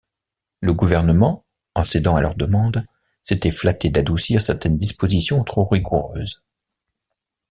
Le gouvernement, en cédant à leur demande, s'était flatté d'adoucir certaines dispositions trop rigoureuses.